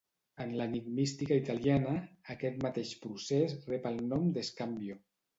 En l'enigmística italiana, aquest mateix procés rep el nom d'scambio.